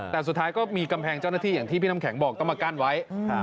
แต่สุดท้ายก็มีกำแพงเจ้าหน้าที่อย่างที่พี่น้ำแข็งบอกต้องมากั้นไว้